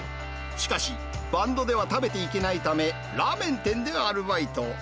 しかし、バンドでは食べていけないため、ラーメン店でアルバイト。